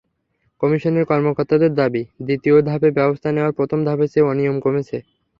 কমিশনের কর্মকর্তাদের দাবি, দ্বিতীয় ধাপে ব্যবস্থা নেওয়ায় প্রথম ধাপের চেয়ে অনিয়ম কমেছে।